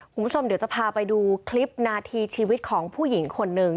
คุณผู้ชมเดี๋ยวจะพาไปดูคลิปนาทีชีวิตของผู้หญิงคนหนึ่ง